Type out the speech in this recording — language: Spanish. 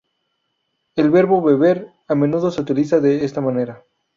El verbo "beber" a menudo se utiliza de esta manera.